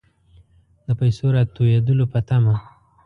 د پیسو راتوېدلو په طمع.